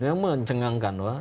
memang mencengangkan lah